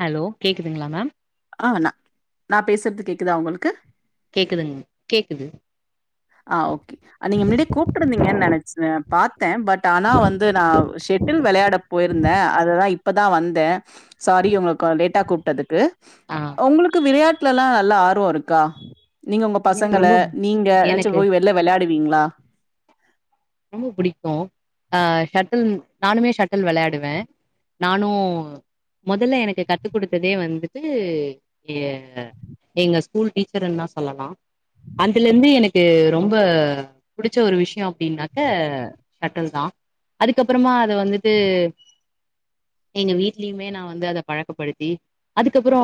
Hello கேக்குதுங்களா ma'am ஆ நா நா பேசுறது கேக்குதா உங்களுக்கு கேக்குதுங்க கேக்குது ஆ ஓகே ஆ நீங்க முன்னாடியே கூப்ட்ருந்தீங்கன்னு நெனைச்ச பாத்த பட் ஆனா வந்து நா ஷெட்டில் வெளையாட போயிருந்த அததா இப்பதா வந்த சாரி உங்களுக்கு லேட்டா கூப்ட்டதுக்கு ஆ உங்களுக்கு விளையாட் ட்லல்லா நல்ல ஆர்வோ இருக்கா நீங்க உங்க எனக்கு பசங்கள ரொம்ப நீங்க எனக்கு வெள்ல வெளையாடுவீங்களா ரொம்ப புடிக்கும் ஆ ஷட்டில் நானுமே ஷட்டில் வெளையாடுவே நானு மொதல்ல எனக்கு கத்துக் குடுத்ததே வந்துட்டு இங்க எங்க ஸ்கூல் டீச்சருன்னா சொல்லலா அதுலேருந்து எனக்கு ரொம்ப புடிச்ச ஒரு விஷயோ அப்டின்னா க்க ஷட்டில் தா அதுக்கப்பறமா அது வந்துட்டு எங்க வீட்லியுமே நா வந்து அத பழக்கப்படுத்தி அதுக்கப்பறோ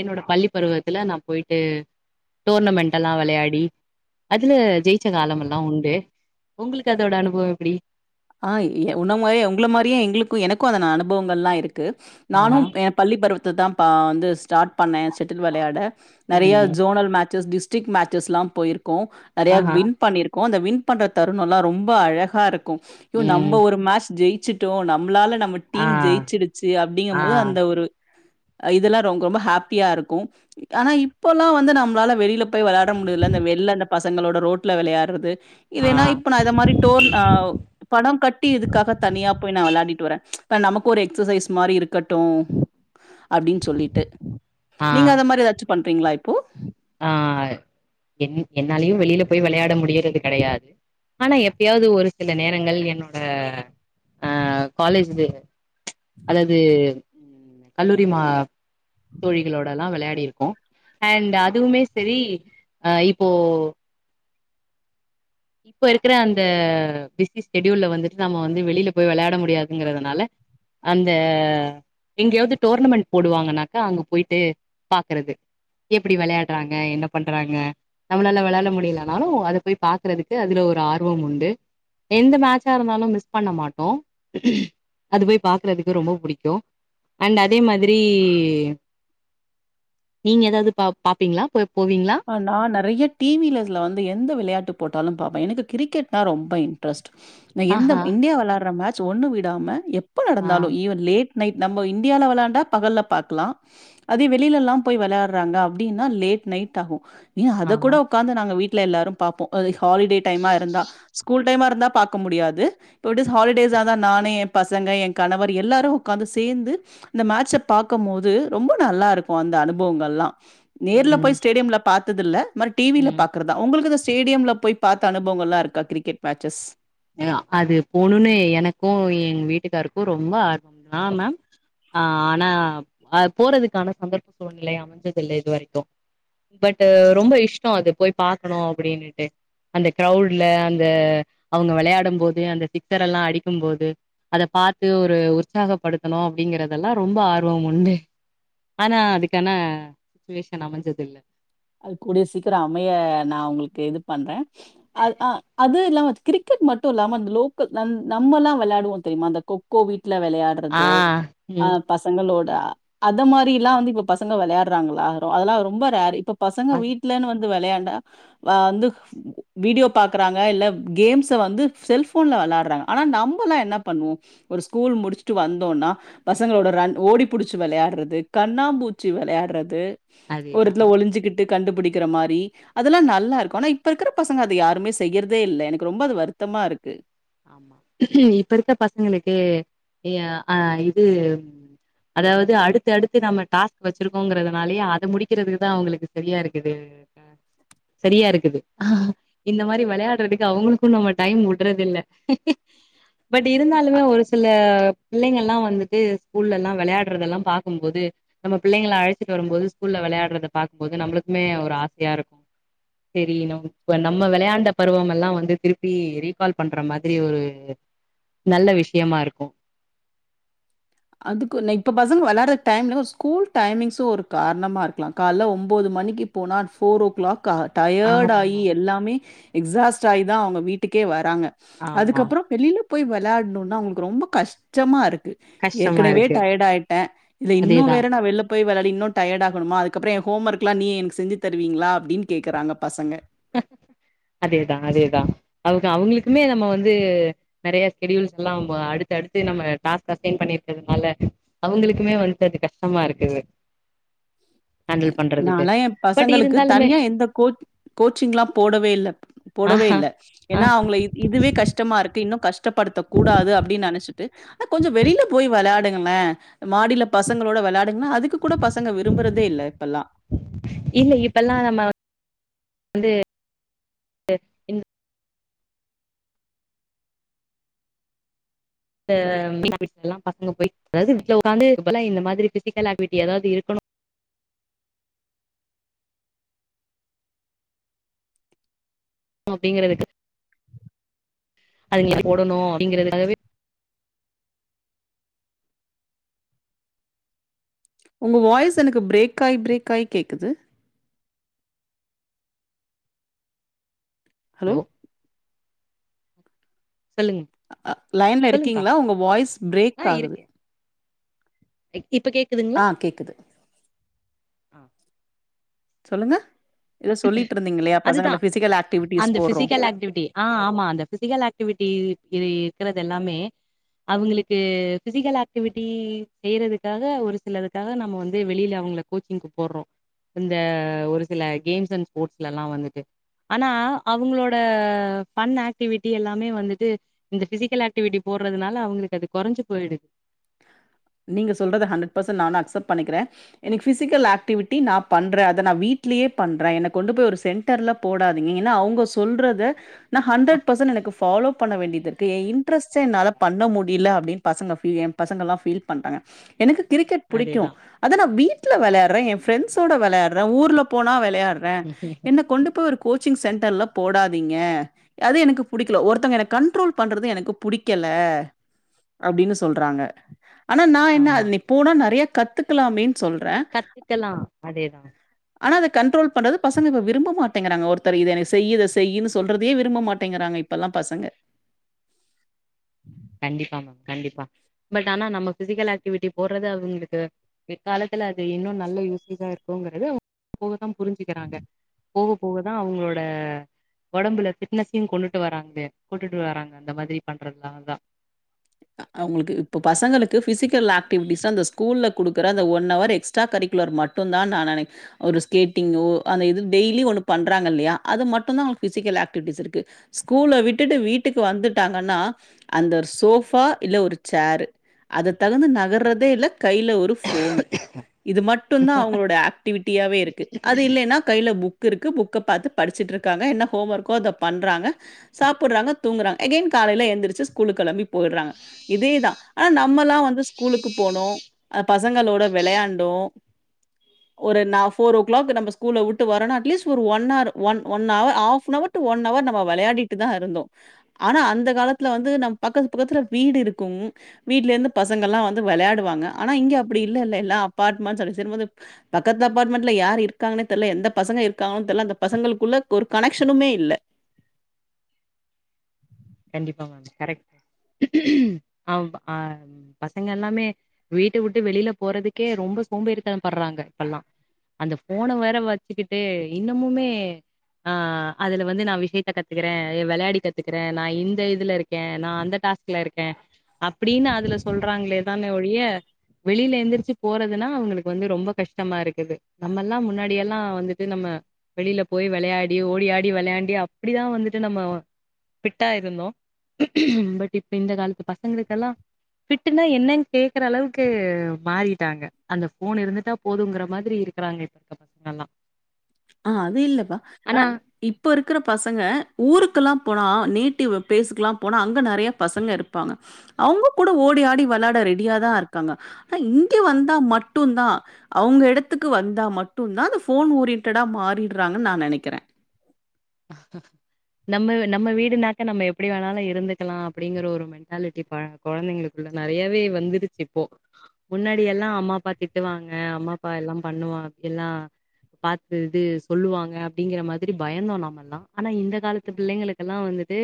என்னோட பள்ளிப் பருவத்துல நா போயிட்டு டோர்னமெண்டெல்லா வெளையாடி அதுல ஜெயிச்ச காலமெல்லா உண்டு உங்களுக்கு அதோட அனுபவ எப்டி ஆ இ உன்ன மாரி உங்கள மாரியே எங்களுக்கு எனக்கு அத நா அனுபவங்கள்லா இருக்கு நானும் ஏ பள்ளி பருவத்த தா நா வந்து ஸ்டார்ட் பண்ணே ஷெட்டில் வெளையாட நெறைய ஜோனல் மேச்சஸ் டிஸ் ட்ரிக்ட் மேட்சஸ்லா போயிருக்கோ நெறைய வின் பண்ணிரு க்கோ அந்த வின் பண்ற தருணல்லா ரொம்ப அழகா இருக்கும் யோ நம்ப ம் ஒரு மேட்ச் ஜெயிச்சிட் ட்டோ நம்பளால நம்ம ஆ டீம் ஜெயிச்சுடுச்சு ஆ அப்டிங்கும் போது அந்த ஒரு ஆ இதெல்லா ரொம்ப ரொம்ப ஹாப்பியா இருக்கும் ஆனா இப்பல்லா வந்து நம்பளால வெளியில போய் வெளாட முடியில இந்த வெள்ல அந்த பசங்களோட ரோட்ல வெளையாடுறது ஆ இல்லன்னா இப்ப நா இத மாரி டோர்ன் ஆ பணம் கட்டி இதுக்காக தனியா போய் நா வெளையாடிட்டு வர்ற நமக்கு ஒரு எக்சசைஸ் மாரி இருக்கட்டும் அப்டின்னு சொல்லிட்டு ஆ நீங்க அத மாரி ஏதாச்சு பண்றீங்களா இப்போ ஆ என் என்னாலயு வெளியில போய் வெளையாட முடியிறது கெடையாது ஆனா எப்பயாவது ஒரு சில நேரங்கள் என்னோட ஆ காலேஜ்து அதாது கல்லூரி மா தோழிகளோடல்லா வெளையாடிருக்கோ அண்டு அதுவுமே செரி ஆ இப்போ இப்ப இருக்கிற அந்த பிஸி ஷெடியூல்ல வந்துட்டு நம்ம வந்து வெளியில போய் வெளாட முடியாதுங்கிறதுனால அந்த எங்கேயாது டோர்னமெண்ட் போடுவாங்கன்னாக்கா அங்க போயிட்டு பாக்கறது எப்டி வெளையாட்றாங்க என்ன பண்றாங்க நம்மளால வெளையாட முடியிலனாலு அத போய் பாக் கிறதுக்கு அதுல ஒரு ஆர்வம் உண்டு எந்த மேட்ச்சா இருந்தாலு மிஸ் பண்ண மாட்டோ அது போய் பாக்கறதுக்கு ரொம்ப புடிக்கும் அண்ட் அதே மாதிரி நீங்க ஏதாது பா பாப்பீங்களா போ போவீங்களா அ நா நெறைய டிவிலஸ்ல வந்து எந்த வெளயாட்டு போட்டாலு பாப்பே எனக்கு கிரிக்கெட்னா ரொம்ப இன்ட்ரெஸ் நா எந்த ஆஹா இந்தியா வெளாடுற மேட்ச் ஒண்ணு விடாம எப்ப ஆ நடந்தாலு ஈவன் லேட் நைட் நம்மோ இந்தியால வெளாண்டா பகல்ல பாக்கலா அதே வெளிலலா போய் வெளயாடுறாங்க அப்டினா லேட் நைட் டாகு ஏ அத கூட ஆஹா உட்காந்து நாங்க வீட்ல எல்லாரும் பாப்போ அதே ஹாலிடே டைமா இருந்தா ஸ்கூல் டைமா இருந்தா பாக்க முடியாது பட்டூஸ் ஹாலிடேஸ் ஆ தா நானு எ பசங்க எ கணவர் எல்லாரு உட்காந்து சேந்து இந்த மேட்சை பாக்க போது ரொம்ப நல்லாருக்கு அந்த அனுபவங்கல்லா நேர்ல ம் போய் ஸ்டேடியம்ல பாத்ததில்ல இந்த மாறி டிவில ம் பாக்குறது அ உங்களுக்கு இந்த ஸ்டேடியம்ல போய் பாத்த அனுபவங்கல்லா இருக்கா கிரிக்கெட் பேச்சஸ் யா அது போணுனே எனக்கு எங்க வீட்டுக்காருக்கு ரொம்ப ஆர்வம்னா மேம் ஆ ஆனா அ போறதுக்கான சந்தர்ப்ப சூழ்நிலை அமைஞ்சது இல்ல இது வரைக்கு பட் ரொம்ப இஷ்டம் அது போய் பாக்கணு அப்டினீட்டு அந்த க்ரவுல்ல அந்த அவுங்க வெளயாடு போது அந்த சிக்சர் எல்லா அடிக்கு போது அத பாத்து ஒரு உற்சாகப்படுத்தணு அப்டிங்கிறதெல்லா ரொம்ப ஆர்வம் உண்டு ஆனா அதுக்கான சுச்சுவேஷன் அமைஞ்சது இல்ல அது கூடிய சீக்கிர அமைய நா உங்ளுக்கு இது பண்றே அது அ அது எல்லா வச் கிரிக்கெட் மட்டு இல்லாம அந்த லோக்கல் நம் நம்மல்லா வெளாடுவோ தெரியுமா அந்த கொக்கோ வீட்ல வெளையாட் ஆ றது ஓகே. அ ம் பசங்களோட அத மாரில்லா வந்து இப்ப பசங்க வெளையாடுறாங்களா ஓ அதெல்லா ரொம்ப ரேரு இப்ப பசங்க அது வீட்லனு வந்து வெளையாண்டா வந்து வீடியோ பாக்குறாங்க இல்ல கேம்ஸ் வந்து செல்போன்ல வெளாடுறாங்க ஆனா நம்மளா என்ன பண்ணுவோ ஒரு ஸ்கூல் முடிச்சுட்டு வந்தோனா பசங்களோட ரன் ஓடிபுடிச்சு வெளையாடுறது கண்ணாபூச்சி வெளையாடுறது ஒரு அதேதா இடத்துல ஒளிஞ்சுகிட்டு கண்டுபிடிக்கிற மாரி அதெல்லா நல்லா இருக்கு ஆனா இப்ப இருக்கிற பசங்க அத யாருமே செய்யறதே இல்ல எனக்கு ரொம்ப அது வருத்தமா இருக்கு ம் ஹூம் இப்ப இருக்க பசங்களுக்கு ஏ அ இது ம் அதாவது அடுத்து அடுத்து நம்ம டாஸ்க் வச்சிருக்கோங்கி றதுனாலயே அத முடிக்கிறது தா அவுங்களுக்கு சரியா இருக்குது இது அ சரியா இருக்குது இந்த மாரி வெளையாடுறதுக்கு அவுங்களுக்கு நம்ம டைம் வுடுறது இல்ல பட் இருந்தாலுமே ஒரு சில பிள்ளைங்க எல்லாம் வந்துட்டு ஸ்கூல்ல எல்லா வெளையாடுறது எல்லா பாக்கும்போது நம்ம பிள்ளைகள அழச்சிட்டு வரும் போது ஸ்கூல்ல வெளையாடுறத பாக்குபோது நம்மளுக்குமே ஒரு ஆசையா இருக்கு தெரியணு இப்ப நம்ம வெளையாண்ட பருவமெல்லா வந்து திருப்பி ரீகால் பண்ற மா தெரிய ஒரு நல்ல விஷயமா இருக்கு அதுக்கு ஒண்ணு இப்ப பசங்க வெளையாடுற டைம்ல ஸ்கூல் டைமிங்சு ஒரு காரணமா இருக்கலா கால்ல ஒம்போது மணிக்கி போன அட் ஃபோரோ ஓ கிளாக் கா டயர்ட் ஆகி ஆமா எல்லாமே எக்ஸாஸ்ட் ஆகி தா அவுங்க வீட்டுக்கே வராங்க ஆமா அதுக்கப்பறோ வெளில போய் வெளயாடணுனா அவுங்களுக்கு ரொம்ப கஷ்டமாருக்கு கஷ்டமா ஏற்கனவே இருக்கு டயர்ட் ஆயிட்டே இதுல இன்னு அதேதா வேற நா வெள்ல போய் வெளாடி இன்னு டயர்டா ஆகணுமா அதுக்கப்றோ எ ஹோம்ஒர்க்லா நீ எனக்கு செஞ்சு தருவீங்களா அப்டின் கேட்குறாங்க பசங்க அதேதா அதேதா அவுக அவுங்களுக்குமே நம்ம வந்து நெறைய ஷெடியூல்ஸ் எல்லா அடுத்து அடுத்து நம்ம டாஸ்க் அசைன் பண்ணிருக்கதுனால அவுங்களுக்குமே வந்துட்டு அது கஷ்டமா இருக்குது ஹேண்டில் பண்றதுக்கு நாலா எ பட் பசங்களுக்கு இருந்தாலுமே தனியா எந்த கோச் கோச்சிங்லா போடவே இல்ல போடவே ஆஹா இல்ல ஏனா அவுங்கள இது இதுவே கஷ்டமாருக்கு இன்னு கஷ்டப்படுத்த கூடாது அப்டின் நெனச்சிட்டு ஆ கொஞ்சோ வெளில போய் வெளாடுங்களே மாடில பசங்களோட வெளாடுங்கனா அதுக்கு கூட பசங்க விரும்புறதே இல்ல இப்பல்லா இல்ல இப்பெல்லா நம்ம வந்து ந்த [inaudible] பசங்க போய் அதாது வீட்ல ஒக்காந்து [inaudible] பதிலா இந்த மாதிரி ஃபிசிக்கல் ஆக்ட்டிவிட்டி எதாது இருக்கணு அப்டிங்கறதுக்கு அதுங்கல போடணு அப்டிங்கறதுக்காகவே உங்க வாய்ஸ் எனக்கு பிரேக் ஆயி பிரேக் ஆயி கேக்குது ஹலோ சொல்லுங்க அ லைன்ல இருக்கிங்ளா உங்க வாய்ஸ் பிரேக் ஆகுது ஏ இப்ப கேக் ஆ கேக்குது சொல்லுங்க எதோ சொல்லிட்ருந்தீங்க இல்லையா பசங்கள ஃபிசிக்கல் ஆக்டிவிட்டிஸ் போட்றோ லக்ட்டிவிட்டி ஆ ஆமா அந்த ஃபிசிக்கல் ஆக்டிவிட்டி இது இருக்குறது எல்லாமே அவுங்குளுக்கு ஃபிசிக்கல் ஆக்டிவிட்டி செய்யறதுக்காக ஒரு சிலதுக்காக நம்ம வந்து வெளில அவுங்கள கோச்சிங்க்கு போட்றோ இந்த ஒரு சில கேம்ஸ் அண்ட் ஸ்போர்ட்ஸ்லலா வந்துட்டு ஆனா அவுங்ளோட ஃபன் ஆக்டிவிட்டி எல்லாமே வந்துட்டு இந்த ஃபிசிக்கல் ஆக்டிவிட்டி போட்றதுனால அவுங்களுக்கு அது கொறைஞ்சு போயிடுது நீங்க சொல்றத ஹன்ட்ரட் பர்சன்ட் நானு அக்சப்ட் பண்ணிக்றே எனக்கு ஃபிசிக்கல் ஆக்டிவிட்டி நா பண்றே அத நா வீட்லியே பண்றே என்ன கொண்டு போய் ஒரு சென்ட் டர்ல போடாதீங்க ஏனா அவங்க சொல்றத நா ஹண்ட்ரட் பர்சன்ட் எனக்கு ஃபாலோ பண்ண வேண்டியது தே இன்ட்ரெஸ்டா என்னால பண்ண முடில அப்டின் பசங்க ஃபீ ஏன் பசங்கலா ஃபீல் பண்றாங்க எனக்கு கிரிக்கெட் புடிக்கு அதேதான். அத நா வீட்ல வெளயாட்றே ஏ ஃப்ரெண்ட்சோட வெளயாட்றே ஊர்ல போனா வெ வெளயாட்றே என்ன கொண்டு போய் ஒரு கோச்சிங் சென்டர்ல போடாதீங்க அது எனக்கு புடிக்ல ஒருத்தங்க என்ன கண்ட்ரோல் பண்றது எனக்கு புடிக்கல அப்டினு சொல்றாங்க ஆனா நா என்ன அது ஆமா. நீ போனா நறைய கத்துக்கலாமேனு சொல்றே துக்கலா அதேதா ஆனா அத கண்ட்ரோல் பண்றது பசங்க இப்ப விரும்ப மாட்டேங்குறாங்க ஒருத்தர் இத என்னைய செய்யு இத செய்யுனு சொல்றதே விரும்ப மாட்டேங்குறாங்க இப்பலா பசங்க கண்டிப்பா மேம் கண்டிப்பா பட் ஆனா நம்ம ஃபிசிக்கல் ஆக்டிவிட்டி போட்றது அவுங்களுக்கு பிற்காலத்துல அது இன்னு நல்ல யூஸ் [inaudible] இருக்குங்குறது போகத்தா புரிஞ்சிக்கிறாங்க போக போகதா அவுங்ளோட ஒடம்புல ஃபிட்னஸையு கொண்டுட்டு வராங்க கொண்டுட்டு வராங்க அந்த மாரி பண்றதுனால தா அ அவுங்குளுக்கு இப்ப பசங்களுக்கு ஃபிசிக்கல் ஆக்டிவிட்டிஸ அந்த ஸ்கூல்ல குடுக்கற அந்த ஒன்னவர் எக்ஸ்ட்ரா கரிக்குலர் மட் மட்டுந்தா நா நெனை ஒரு ஸ்கேட்டிங்கோ அந்த இது டெய்லி ஒன்னு பண்றாங்க இல்லையா அது மட்டுந்தா அவுங்க ஃபிசிக்கல் ஆக்டிவிட்டிஸ் இருக்கு ஸ்கூல விட்டுட்டு வீட்டுக்கு வந்துட்டாங்கன்னா அந்த சோஃப் ஃபா இல்ல ஒரு சேரு அத தகுந்து நகர்றதே இல்ல கைல ஒரு ஃபோனு இது மட்டுந்தா அவுங்ளோட ஆ க்டிவிட்டியாவே இருக்கு அது இல்லன்னா கைல புக் இருக்கு புக்க பாத்து படிச்சிட்ருக்காங்க என்ன ஹோம் ஒர்கோ அத பண்றாங்க சாப்புர்றாங்க தூங்கறாங்க எகைன் காலைல எழுந்திரிச்சு ஸ்கூலுக் கெளம்பி போயட்றாங்க இதேதா ஆனா நம்மல்லா வந்து ஸ்கூலுக்கு போனோ அ பசங்களோட வெளயாண்டோ ஒரு ந ஃபோர் ஓ கிளாக் நம்ப ஸ்கூல உட்டு வரனா அட்லீஸ்ட் ஒரு one or one one hour half an hour one hour நம்ம வெளையாடிட்டு தா இருந்தோ ஆனா அந்த காலத்துல வந்து நம் பக்கத் பக்கத்துல வீடு இருக்கு வீட்ல இருந்து பசங்கெல்லா வந்து வெளையாடுவாங்க ஆனா இங்க அப்டி இல்லல்ல எல்லா அப்பார்ட்மெண்ட் வந்துச்சுபோது பக்கத்து அப்பார்ட்மெண்ட்ல யாரு இருக்காகன்னே தெர்ல எந்த பசங்க இருக்காங்கனு தெர்ல அந்த பசங்களுக்குள்ள ஒரு கனெக்ஷனுமே இல்ல கண்டிப்பா மேம் கரெக்ட் பசங்க எல்லாமே வீட்ட விட்டு வெளில போறதுக்கே ரொம்ப சோம்பேரிதனம் பட்றாங்க இப்பல்லா அந்த ஃபோன வேற வச்சுக்கிட்டு இன்னுமுமே ஆ அதுல வந்து நா விஷயத்த கத்துக்கற வெளையாடி கத்துக்கற நா இந்த இதுல இருக்கே நா அந்த டாஸ்க்ல இருக்கே அப்டின்னு அதுல சொல்றாங்களே தானே ஒழிய வெளில எந்திரிச்சு போறதுனா அவுங்களுக்கு வந்து ரொம்ப கஷ்டமா இருக்குது நம்மெல்லா முன்னாடியெல்லா வந்துட்டு நம்ம வெளில போய் வெளையாடி ஓடியாடி வெளாண்டி அப்டிதா வந்துட்டு நம்ம ஃபிட்டா இருந்தோ பட் இப்ப இந்த காலத்து பசங்களுக்கெல்லா ஃபிட்டுனா என்னன்னு கேக்கற அளவுக்கு மாறிட்டாங்க அந்த ஃபோன் இருந்துட்டா போதுங்கற மாதிரி இருக் இருக்கறாங்க இப்ப இருக்க பசங்க எல்லா ஆ அது இல்லப்பா அ இப் இப்போ இருக்கிற பசங்க ஊருக்குல்லா போனா நேட்டிவ் பிளேசுக்கெலா போனா அங்க நெறையா பசங்க இருப்பாங்க அவுங்க கூட ஓடி ஆடி வெளாட ரெடியாதா இருக்காங்க ஆன இங்க வந்தா மட்டு தா அவுங்க இடத்துக்கு வந்தா மட்டு தா அந்த ஃபோன் ஓரி டடா மாறிட்றாங்கனு நா நெனைக்கற நம்ம நம்ம வீடுனாக்க நம்ம எப்டி வேணாலு இருந்துக்கலா அப்டிங்கற ஒரு மெ மொன்டாலிட்டிபா கொழந்தைங்களுக்குள்ள நெறையாவே வந்துருச்சு இப்போ முன்னாடியெல்லா அம்மாப்பா திட்டுவாங்க அம்மா அப்பா எல்லா பண்ணுவா எல்லா பாத்துது சொல்லுவாங்க அப்டிங்கிற மாதிரி பயந்தோ நாம ஆனா இந்த காலத்து பிள்ளைங்களுக்கல்லா வந்துட்டு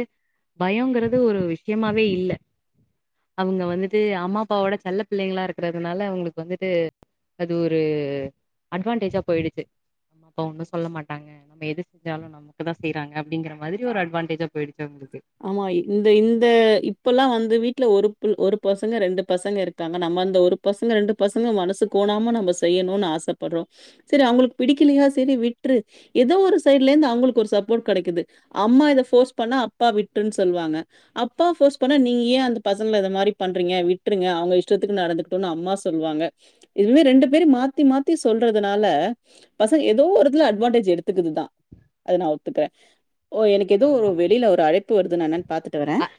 பயோங்றது ஒரு விஷயமாவே இல்ல அவுங்க வந்துட்டு அம்மா அப்பாவோட செல்ல பிள்ளைங்களா இருக்கறதுனால அவுங்களுக்கு வந்துட்டு அது ஒரு அட்வான்டேஜா போயிடுச்சு அப்ப ஒன்னு சொல்ல மாட்டாங்க நம்ம எது செஞ்சாலு நமக் தா செய்றாங்க அப்டிங்கற மாதிரி ஒரு அட்வான்டேஜா போயிச்சு அவுங்களுக்கு ஆமா இந்த இந்த இப்பல்லா வந்து வீட்ல ஒரு ஒரு பசங்க ரெண்டு பசங்க இருக்காங்க நம்ம அந்த ஒரு பசங்க ரெண்டு பசங்க மனசு கோணாம நம்ம செய்யணுனு ஆசப்பட்றோ சரி அவுங்களுக்கு பிடிக்கலையா சரி வி்ட்று ஏதோ ஒரு சைட்லேந்து அவுங்களுக்கு ஒரு சப்போர்ட் கெடைக்குது அம்மா இத ஃபோர்ஸ் பண்ணா அப்பா விட்ருன்னு சொல்வாங்க அப்பா ஃபோர்ஸ் பண்ணா நீங்க ஏ அந்த பசங்கல இத மாரி பண்றிங்க விட்டுருங்க அவுங்க இஷ்டத்துக்கு நடந்து அம்மா சொல்வாங்க இதுமே ரெண்டு பேரு மாத்தி மாத்தி சொல்றதுனால பசங்க எதோ ஒருத்துல அட்வான்டேஜ் எடுத்துக்குதுதா அத நா ஒத்துக்கற ஓ எனக்கு எதோ ஆமா ஆமா வெளில ஒரு அழைப்பு வருது நா என்னனு பாத்துட்டு வர